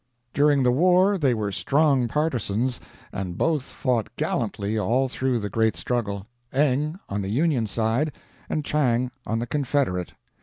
During the war they were strong partisans, and both fought gallantly all through the great struggle Eng on the Union side and Chang on the Confederate.